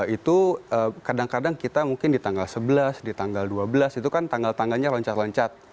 itu kadang kadang kita mungkin di tanggal sebelas di tanggal dua belas itu kan tanggal tanggalnya loncat loncat